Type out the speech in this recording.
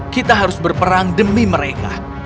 kita harus berperang demi mereka